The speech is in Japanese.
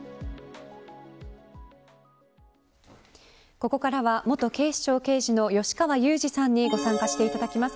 ここからは元警視庁刑事の吉川祐二さんにご参加していただきます。